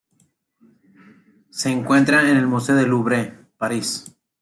Se encuentra en el Museo del Louvre, París.